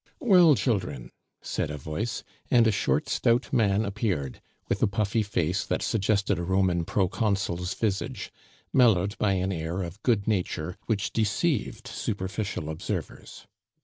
"Well, children," said a voice, and a short, stout man appeared, with a puffy face that suggested a Roman pro consul's visage, mellowed by an air of good nature which deceived superficial observers.